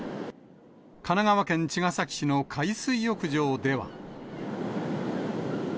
神奈川県茅ヶ崎市の海水浴場では。